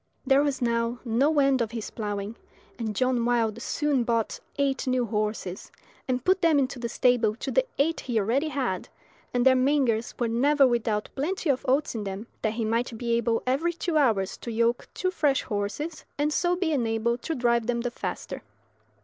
There was now no end of his ploughing, and John Wilde soon bought eight new horses, and put them into the stable to the eight he already had, and their mangers were never without plenty of oats in them, that he might be able every two hours to yoke two fresh horses, and so be enabled to drive them the faster.